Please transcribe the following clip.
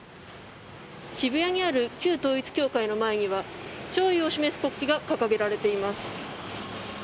渋谷にある旧統一教会の前には弔意を示す国旗が掲げられています。